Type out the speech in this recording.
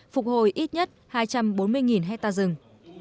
phục hồi ít nhất hai trăm bốn mươi hectare rừng